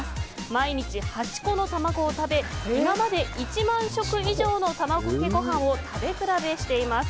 毎日８個の卵を食べ今まで１万食以上の卵かけご飯を食べ比べしています。